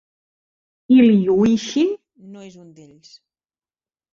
Iliuixin no és un d'ells.